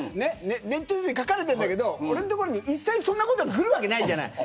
ネットに書かれてるんだけど俺のところに一切、そんなのがくるわけないじゃない。